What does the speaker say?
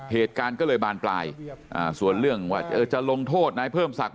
เหตุการณ์ก็เลยบานปลายส่วนเรื่องว่าจะลงโทษนายเพิ่มศักดิ